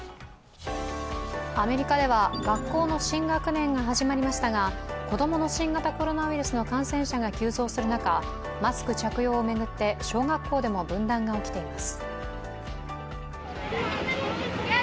アメリカでは学校の新学年が始まりましたが子供の新型コロナウイルスの感染者が急増する中マスク着用を巡って、小学校でも分断が起きています。